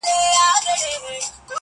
هر توري چي یې زما له شوګیری سره ژړله!!